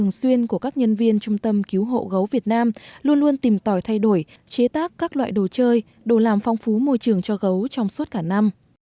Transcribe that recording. gấu việt nam luôn luôn tìm tòi thay đổi chế tác các loại đồ chơi đồ làm phong phú môi trường cho gấu trong suốt cả năm